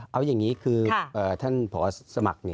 เอาอย่างนี้คือท่านผอสมัคร